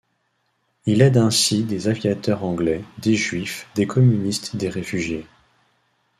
Il aide ainsi des aviateurs anglais, des juifs, des communistes, des réfugiés.